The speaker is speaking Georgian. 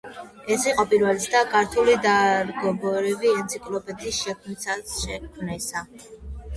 ეს იყო პირველი ცდა ქართული დარგობრივი ენციკლოპედიის შექმნისა შექმნისა.